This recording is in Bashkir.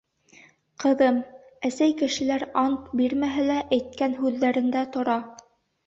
— Ҡыҙым, әсәй кешеләр ант бирмәһә лә әйткән һүҙҙәрендә тора.